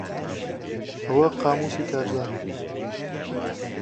ئەوە قامووسی کارزانە.